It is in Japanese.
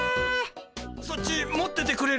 そっち持っててくれる？